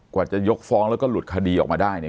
กว่าจะยกฟ้องแล้วก็หลุดคดีออกมาได้เนี่ย